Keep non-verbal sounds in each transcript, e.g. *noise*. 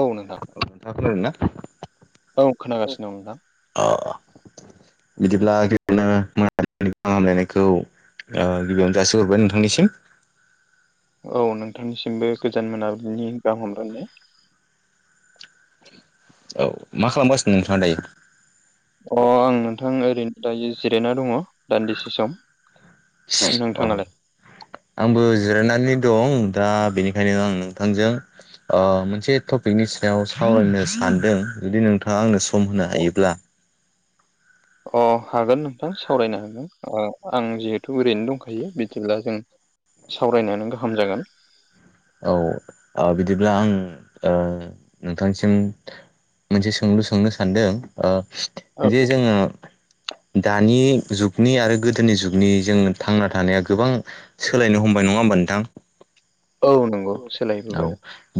औ नोंथां। औ खोन्थाग आरोना दं खोनागासिनो दं दां औ बिदिब्लाि बेनो हामलायनायखौ गिबियावनो जासिोहरबाय नोंथांनिसिम औ नोंथांनिसिमबो गोजान मोनाबिलिनि गाहाम हामलायनाय औ मा खालामगासिनों नोंथांङा दायो। अ आं नोंथां ओरैनो दायो जिरायना दंङो दान्दिसे सम औ नोंथाङालाय आंबो जिरायनानै दं दा बेनिखायनो आं नोंथांजों मोनसे टपिकनि सायाव सावरायनो सानदों जुदि नोंथांङा आंनो सम होनो हायोब्ला अ हागोन नोंथां सावरायनो हागोन आं जिहेथु ओरैनो दंखायो बिदिब्ला जों सावरायनायानो गाहाम जागोन औ बिदिब्ला आं नोंथांसिम मोनसे सोंलु सोंनो सानदों औ जे जोंङो दानि जुगनि आरो गोदोनि जुगनि जों थांना थानाया गोबां सोलायनो हमबाय नंङा होमबा नोंथां औ औ सोलायबोबाय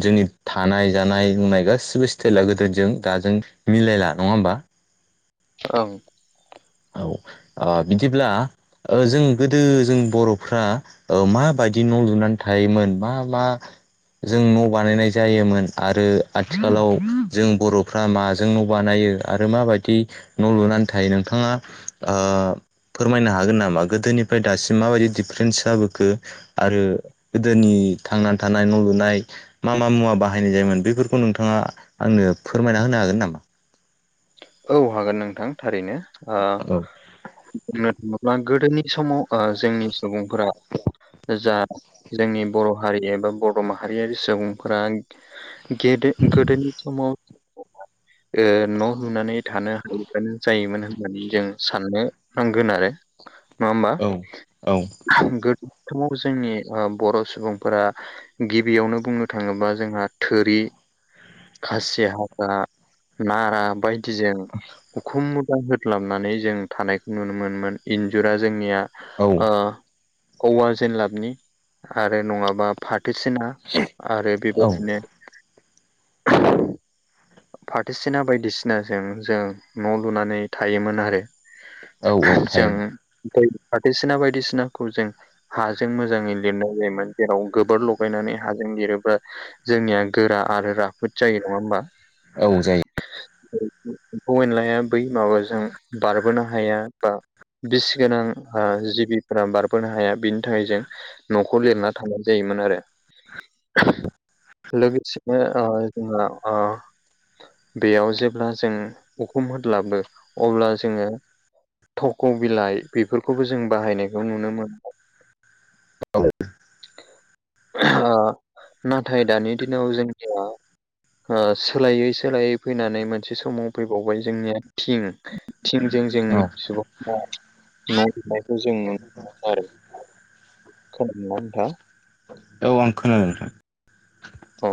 जोंनि थानाय जानाय लोंनाय गासिबो स्टाइला गोदिरजों दाजों मिलायला नंङा होमबा औ औ बिदिब्ला जों गोदो जों बर'फ्रा माबायदि न' लुनानै थायोमोन मा मा जों न' बानायनाय जायोमोन आरो आथिखालाव जों बर'फ्रा माजों न' बानायो आरो माबायदि न' लुनानै थायो नोंथांङा फोरमायनो हागोन नामा गोदोनिफ्राय दासिम माबायदि दिडफारेन्स जाबोखो आरो गोदोनि थांनानै थानाय न' लुनाय मा मा मुवा बाहायनाय जायोमोन बेफोरखौ नोंथांङा आंनो फोरमायना होनो हागोन नामा औ हागोन नोंथां थारैनो औ बुंनो थांङोब्ला गोदोनि समाव जोंनि सुबुंफोरा जा जोंनि बर' हारि एबा बर' माहारियारि सुबुंफोरा दो गोदोनि समाव न' लुनानै थानो हायबानो जायोमोन होननानै जों साननो नांगोन आरो नंङा होमबा औ औ गोदो समाव जोंनि बर' सुबुंफोरा गिबियावनो बुंनो थांङोबा जोंहा थोरि खासिया नारा खि जजों उखुम मुदा होदलाबनानै जों थानायखौ नुनो मोनोन इन्जुरा जोंनिया औ औवार जेन लाबनि आरो नंङाबा फाथोसिना आरो बेबायदिनो फाथोसिना बायदिसिनाजों जों न' लुनानै थायोमोन आरो औ जों थायोमोन बाथैसिना बायदिसिनाखौ जों हाजों मोजांङै लिरनाय जायोमोन जेराव गोबोर लगायनानै हाजों लिरोब्ला जोंनिया गोरा आरो राफोद जायो नंङा होमबा औ जायो एम्फौ एनलाया बै माबाजों बारबोनो हाया बा बिसि गोनां जिबिफोरा बारबोनो हाया बिनि थाखाय जों न'खौ लिरना थांनाय जायोमोन आरो लोगोसेनो ओ आं बेयाव जेब्ला जों उखुम होलाबो अब्ला जोंङो थख' बिलाइ बेफोरखौबो जों बाहायनायखौ नुनो मोनो औ नाथाय दानि दिनाव जोंनिया सोलायै सोलायै फैनानै मोनसे समाव फैबावबाय जोंनिया थिं थिंजों औ जोंनि सुबुं बा न जों नु मोनो आरो खोनादोंना नोंथाङा औ आं खोनादों नोंथां औ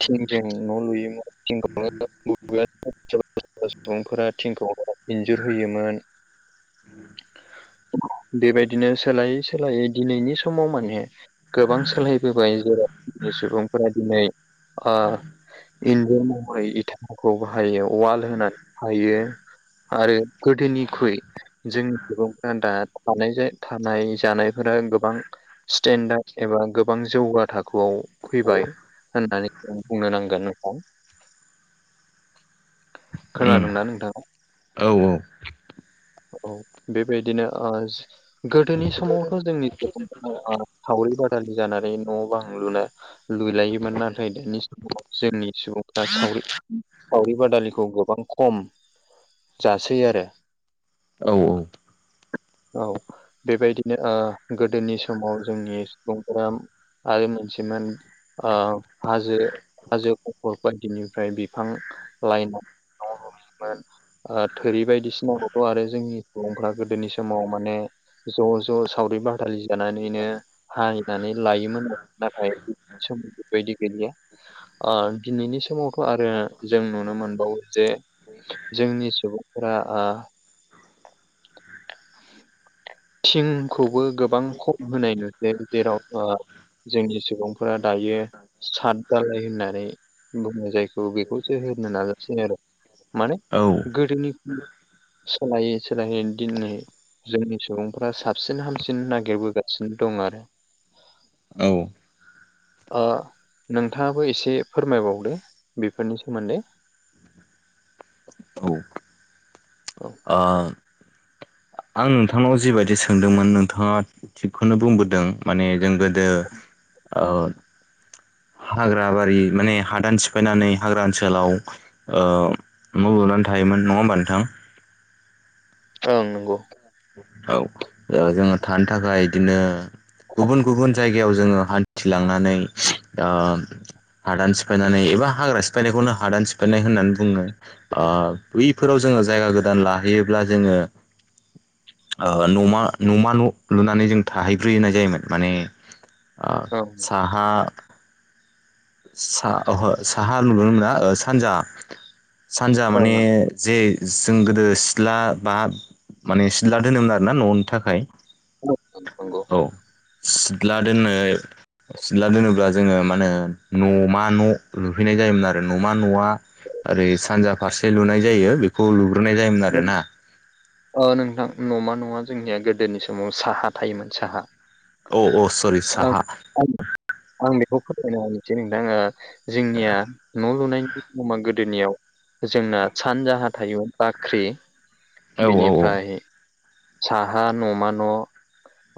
थिंजों न'लुयोमोन *unintelligible* *unintelligible* सुबुंफोरा थिंखौ इन्जुर होयोमोन *unintelligible* बेबायदिनो सोलायै सोलायै दिनैनि समाव माने गोबां सोलायबोबाय जेरावनि सुबुं दिनै ओ इनजुर महरै इथा खौ बाहायो उवाल होनानै थायो आरो गोदोनिख्रुइ जोंनि सुबुंफ्रा दा थानाय जे थानाय जानायफोरा गोबां स्टेन्डार्ड एबा गोबां जौगा थाखोआव फैबाय होननानै जों बुंनो नांगोन नोंथां उम खोनादोंना नोंथाङा औ औ बेबायदिनो गोदोनि समावथ' जोंनि सावरि बादालि जानानै न' बां लुनाय लुइलायोमोन नाथाय दानि समाव जोंनि सुबुं दा सावरि सावरि बादालिखौ गोबां खम जासै आरो औ-औ औ बेबायदिनो गोदोनि समाव जोंनि सुबुंफोरा आरो मोनसेमोन आ हाजो हाजो खंखर बादिनिफ्राय बिफां लायनाय न थोरि बायदिसिनाखौथ' आरो जोंनि सुबुंफ्रा गोदोनि समाव माने ज' ज' सावरि बादालि जानानैनो हायनानै लायोमोन नाथाय *unintelligible* बैदि गैलिया आ दिनैनि समावथ' आरो जों नुनो मोनबावो जे जोंनि सुबुंफोरा थिंखौबो गोबां खम होनाय नुयो जेराव जोंनि सुबुंफोरा दायो साद जालाय होनानै बुङो जायखौ बेखौसो होनो नाजासै आरो माने औ गोदोनिफ्राय सोलायै सोलायै दिनै जोंनि सुबुंफ्रा साबसिन हामसिन नागिरबोगासिनो दं आरो औ ओ नोंथाङाबो एसे फोरमायबावदो बेफोरनि सोमोन्दै औ आम आं नोंथांनाव जिबायदि सोंदोंमोन नोंथाङा थिगखौनो बुंबोदों माने जों गो दो आ हाग्रा बारि माने हादान सिफायनानै हाग्रा ओनसोलाव ओ न' लुनानै थायोमोन नङा होमबा नोंथां ओं नंगौ औ जोङो थानो थाखाय बिदिनो गुबुन गुबुन जायगायाव जोङो हान्थिलांनानै हादान सिफायनानै एबा हाग्रा सिफायनायखौनो हादान सिफायनाय होननानै बुङो बैफोराव जोङो जायगा गोदान लाहैयोब्ला जोङो ओह न'मा न'मा न' लुनानै जों थाहैग्रोनाय जायोमोन माने ओं साहा सा ओहो साहा लुनो मोना ओ सानजा सानजा माने ओं जे जों गोदो सिथ्ला बा माने सिथ्ला दोनोमोन आरोमोन ना न'नि थाखाय ओं नंगौ औ सिथ्ला दोनो सिथ्ला दोनोब्ला जोङो मा होनो न'मा न' लुफैनाय जायोमोन आरो न'मा न'आ ओरै सानजा फारसे लुनाय जायो बेखौ लुग्रोनाय जायोमोन आरोना ओ नोंथां न'मा नङा जोंनिआ गोदोनि समाव साहा थायोमोन साहा अ अ सरि साहा आं आं बेखौ फोरोमयना होनोसै नोंथां जोंनिआ न' लुनायनि नमा गोदोनिआव जोंना सानजाहा थायोमोन बाख्रि औ बिनि औ आमफाय साहा न'मा न'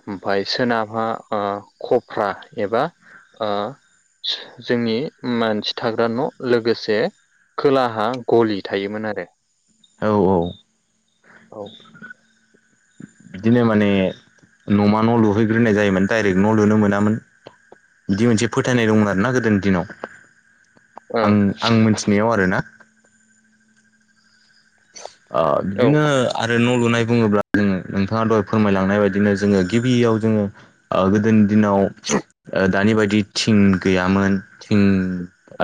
आमफाय सोनाबहा ओ ख'फ्रा एबा‌ ओ जोंनि मानसि थाग्रा न' लोगोसे खोलाहा ग'लि थायोमोन आरो औ औ औ *inaudible* बिदिनो माने न'मा न' लुहैग्रोनाय जायोमोन डायरेक्ट न' लुनो मोनामोन बिदि मोनसे फोथायनाय दंमोन आरोना गोदोनि दिनाव ओं आं आं मोनथिनायाव आरो ना ओ औ बिदिनो ओ आरो न' लुनाय बुङोब्ला जोङो नोंथांआ दहाय फोरमायलांनाय बायदिनो जोङो गिबिआव जोङो ओ गोदोनि दिनाव ओ दानि बादि थिं गैयामोन थिं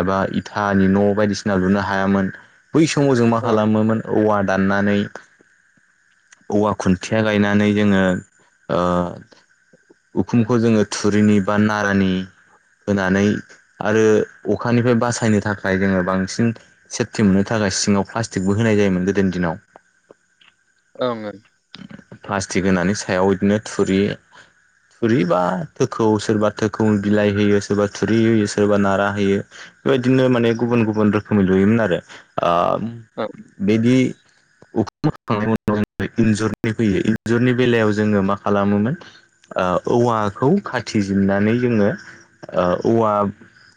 एबा इथानि न' बायदिसिना लुनो हायामोन बै समाव जों मा ओं खालामोमोन औवा दाननानै औवा खुन्थिआ गायनानै जोङो ओ उखुमखौ जोङो थुरिनि बा नारानि होनानै आरो अखानिफ्राय बासायनो थाखाय जोङो बांसिन सेफटि मोननो थाखाय सिङाव प्लास्टिकबो होनाय जायोमोन गोदोनि दिनाव ‌ओं ओं प्लास्टिक होननि सायाव इदिनो थुरि थुरि बा थोखौ सोरबा थोखौ बिलाइ होयो सोरबा थुरि होयो सोरबा नारा होयो बेबादिनो माने गुबुन गुबुन रोखोमै लुयोमोन आरो ओ औ बिदि उखुम होखांनायनि उनाव इन्जुरनि फैयो इन्जरनि बेलाव जोङो मा खालामोमोन ओ औवाखौ खाथिजिरनानै जोङो ओ औवा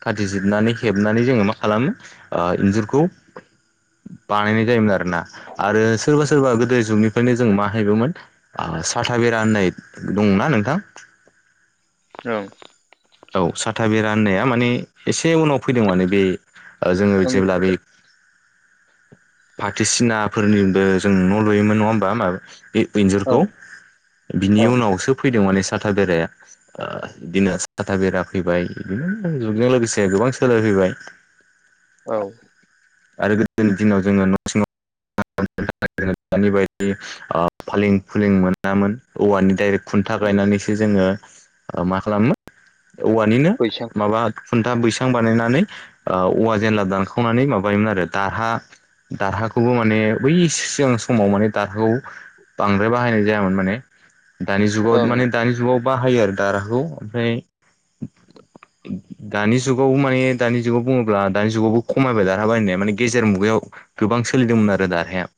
खाथिजिरनानै हेबनानै जोङो मा खालामो ओ इन्जुरखौ बानायनाय जायोमोन आरोना आरो सोरबा सोरबा गोदो जुगनि बेखायनो जों माहेबोमोन ओ साथा बेरा होननाय दंना नोंथां औं औ साथा बेरा होननाया माने एसे उनाव फैदों माने बे ओ जोङो ओं जेब्ला बे फाथसिनाफोरनिबो जों न' लुयोमोन नङा होमबा माबेबा बे इनजुरखौ ओं बिनि ओं उनावसो फैदों माने साथा बेराया ओ बिदिनो साथा बेरा फैबाय बिदिनो जुगजों लोगोसे गोबां सोलायफैबाय औ आरो गोदोनि दिनाव जोङो न'‌थिंआव ओ दानि बादि ओ‌ फालें फुलिं मोनामोन औवानि डाइरेक्ट खुन्था गायनानैसो जोङो मा खालामो औवानिनो बैसां माबा खुन्था बैसां बानायनानै औवा ओ जेनला दानखावनानै माबायोमोन आरो दारहा दारहाखौबो माने बै सिगां समाव माने दारहाखौ बांद्राय बाहायनाय जायामोन माने दानि जुगाव ओं माने दानि जुगाव बाहायो आरो दाराखौ ओमफ्राय दानि जुगाव माने दानि जुगाव बुङोब्ला दानि जुगावबो खमायबाय देरहाबाय होननाया माने गेजेर मुगायाव गोबां सोलिदोंमोन आरो दाहराया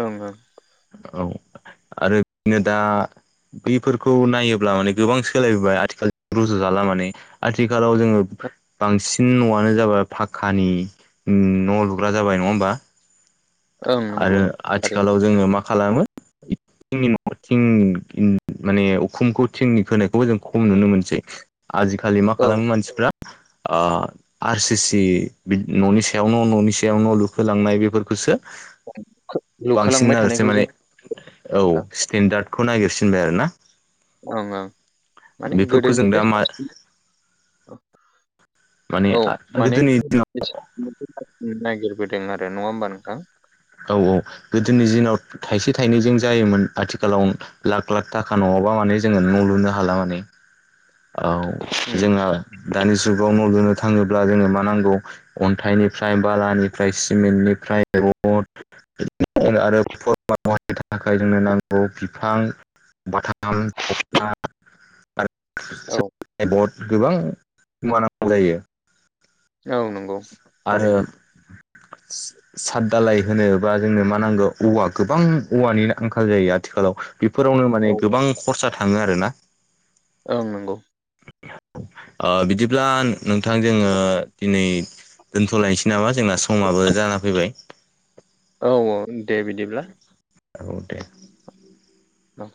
ओं ओं औ आरो बिदिनो दा बैफोरखौ नायोब्ला माने गोबां सोलायबोबाय आथिखाल जों रुजु जाला माने आथिखालाव जोङो बांसिन सिन न'आनो जाबाय फाखाखानि न' लुग्रा जाबाय नङा होमबा ओं आरो नंगौ थारैनो आथिखालाव जोङो मा खालामो थिंनि न' *unintelligible* थिं माने उखुमखौ थिंनि खोनायखौबो जों खम नुनो मोनसै आजिखालि मा औ खालामो मानसिफ्रा आ आर सि सि न'नि सायाव न' न'नि सायाव न' लुफोलांनाय बेफोरखौसो बांसिन लुखोलांबाय नागिरसै थानायखौ जों माने औ नोंथां स्टेेनडार्दखौ नागिरसिनबाय आरो ना ओं ओं माने बेफोरखौ जों गोदोनिफ्राय दा मा साबसिन माने औ माने गोदोनि दिनाव *unintelligible* नागिरबोदों आरो नङा होमबा नोंथां औ औ गोदोनि दिनाव थाइसे थाइनैजों जायोमोन आथिखालाव लाख लाख थाखा नङाबा माने जोङो न' लुनो हाला माने औ उम जोंहा दानि जुगाव न' लुनो थाङोब्ला जोङो मा नांगौ अन्थाइनिफ्राय बालानिफ्राय सिमेन्टनिफ्राय रड *unintelligible* थाखाय जोंनो नांगौ बिफां बाथाम थौता औ *unintelligible* गोबां गोमानांगौ जायो औ नंगौ आरो थारैनो *inaudible* साद दालाय होनोबा जोंनो मा नांगौ औवा गोबां औवानि आंखाल जायो आथिखालाव बेफोरावनो माने औ गोबां खरसा थाङो आरोना ओं नंगौ बिदिब्ला नोंथां जोङो दिनै दोन्थ'लायनोसै नामा जोंना समाबो जाना फैबाय औ औ दे बिदिब्ला औ दे औ